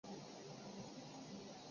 导演和剧本统筹由川波无人负责。